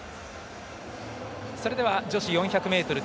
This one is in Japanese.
それでは女子４００ｍＴ